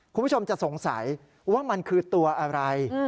คุณผู้ชมจะสงสัยว่ามันคือตัวอะไร